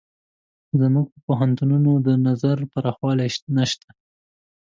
زموږ په پوهنتونونو د نظر پراخوالی نشته.